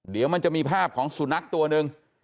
เดี๋ยวมันจะมีภาพของสุนัขตัวหนึ่ง